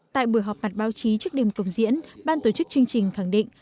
tại buổi họp mặt báo chí trước đêm công diễn ban tổ chức chương trình khẳng định